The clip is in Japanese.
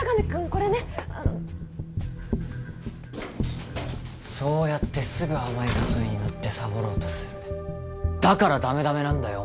これねあのそうやってすぐ甘い誘いにのってサボろうとするだからダメダメなんだよ